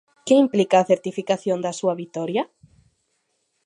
Que implica a certificación da súa vitoria?